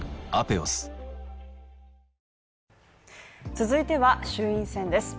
続いては、衆院選です。